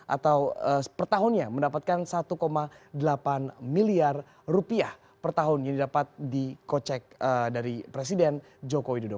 atau per tahunnya mendapatkan satu delapan miliar rupiah per tahun yang didapat dikocek dari presiden joko widodo